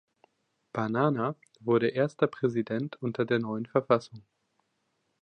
Banana wurde erster Präsident unter der neuen Verfassung.